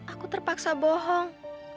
aku terpaksa bohong